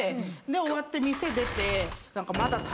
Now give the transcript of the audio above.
で終わって店出て何か。